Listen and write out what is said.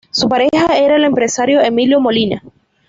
Su pareja era el empresario Emilio Molina.